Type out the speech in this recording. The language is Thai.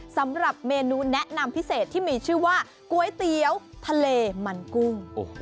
สำหรับเมนูแนะนำพิเศษที่มีชื่อว่าก๋วยเตี๋ยวทะเลมันกุ้ง